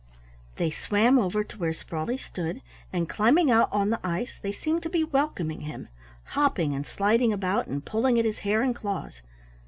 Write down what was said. They swam over to where Sprawley stood, and climbing out on the ice they seemed to be welcoming him, hopping and sliding about, and pulling at his hair and claws.